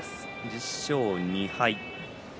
１０勝２敗。